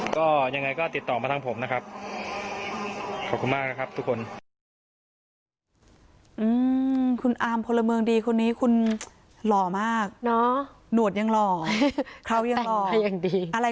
ก็ยังไงก็ติดต่อมาทั้งผมนะครับ